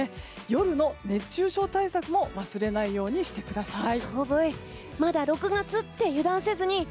夜の熱中症対策も忘れないようにしてください。